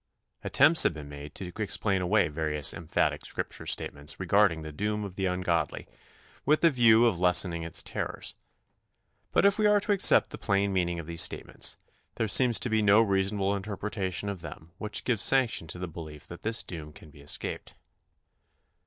Attempts have been made to explain away various emphatic Scripture statements regarding the doom of the ungodly, with the view of lessening its terrors; but, if we are to accept the plain meaning of these statements, there seems to be no reasonable interpretation of them which gives sanction to the belief that this doom can be escaped.